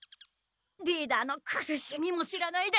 リーダーの苦しみも知らないで。